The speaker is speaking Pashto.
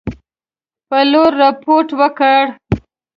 پلور رپوټ ورکړ.